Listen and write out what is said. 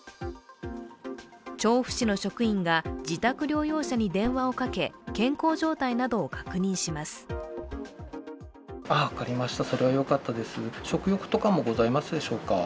調布市の職員が自宅療養者に電話をかけ健康状態などを確認します。